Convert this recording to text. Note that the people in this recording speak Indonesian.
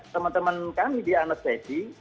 teman teman kami di anestesi